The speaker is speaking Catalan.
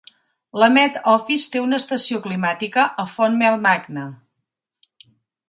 La Met Office té una estació climàtica a Fontmell Magna.